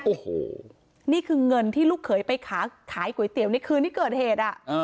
โอ้โหนี่คือเงินที่ลูกเขยไปขายก๋วยเตี๋ยวในคืนที่เกิดเหตุ